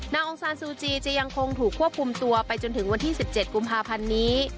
องซานซูจีจะยังคงถูกควบคุมตัวไปจนถึงวันที่๑๗กุมภาพันธ์นี้